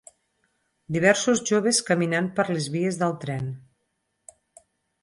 Diversos joves caminant per les de vies del tren.